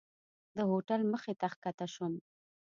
د هوټل مخې ته ښکته شوم.